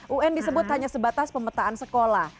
un disebut hanya sebatas pemetaan sekolah